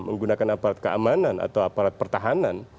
menggunakan aparat keamanan atau aparat pertahanan